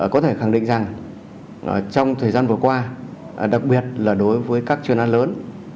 có thể khẳng định rằng trong thời gian vừa qua đặc biệt là đối với các chuyên án lớn